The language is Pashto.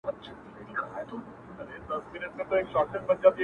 د سيندد غاړي ناسته ډېره سوله ځو به كه نــه-